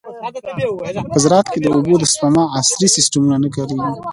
په زراعت کې د اوبو د سپما عصري سیستمونه نه کارېږي.